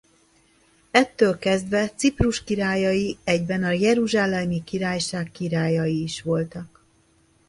Ettől kezdve Ciprus királyai egyben a Jeruzsálemi Királyság királyai is voltak.